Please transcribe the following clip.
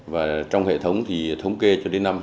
và trong hệ thống thì thống kê cho đến năm hai nghìn hai